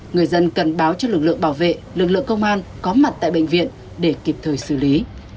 người dân cần báo cho lực lượng bảo vệ lực lượng công an có mặt tại bệnh viện để kịp thời xử lý